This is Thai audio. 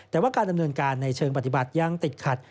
แต่ว่าการดำเนินการในเชิงปฏิบัติยังติดขัด